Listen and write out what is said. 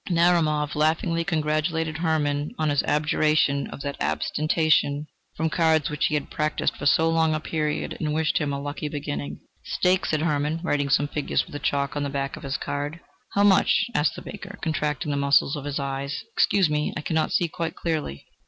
Narumov laughingly congratulated Hermann on his abjuration of that abstention from cards which he had practised for so long a period, and wished him a lucky beginning. "Stake!" said Hermann, writing some figures with chalk on the back of his card. "How much?" asked the banker, contracting the muscles of his eyes; "excuse me, I cannot see quite clearly."